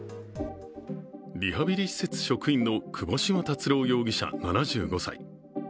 リハビリ施設職員の窪島達郎容疑者７５歳。